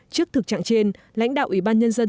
trước thực trạng trên lãnh đạo ủy ban nhân dân